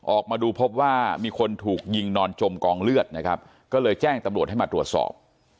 ออกมาดูพบว่ามีคนถูกยิงนอนจมกองเลือดนะครับก็เลยแจ้งตำรวจให้มาตรวจสอบ